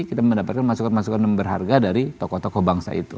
kita mendapatkan masukan masukan yang berharga dari tokoh tokoh bangsa itu